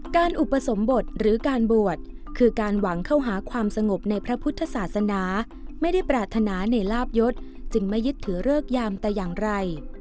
อุปสมบทหรือการบวชคือการหวังเข้าหาความสงบในพระพุทธศาสนาไม่ได้ปรารถนาในลาบยศจึงไม่ยึดถือเลิกยามแต่อย่างไร